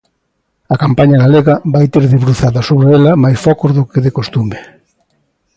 A campaña galega vai ter debruzada sobre ela máis focos do que de costume.